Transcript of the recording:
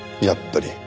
やっぱり。